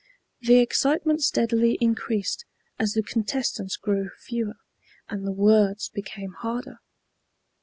The excitement steadily increased as the contestants grew fewer, and the words became harder.